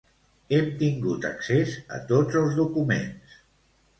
Hem tingut accés a tots els documents.